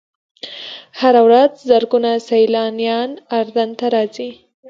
هره ورځ زرګونه سیلانیان اردن ته راځي.